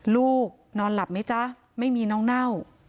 ลูกนอนหลับไหมจ๊ะไม่มีน้องเน่า